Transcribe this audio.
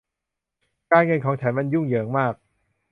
การเงินของฉันมันยุ่งเหยิงมาก